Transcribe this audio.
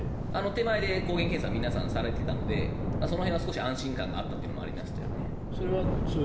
手前で抗原検査皆さんされていたのでその辺は少し安心感があったというのがありましたよね。